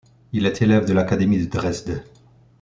Il est élève de l'académie de Dresde.